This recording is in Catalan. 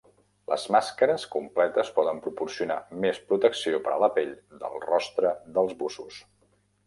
Les màscares completes poden proporcionar més protecció per a la pell del rostre dels bussos.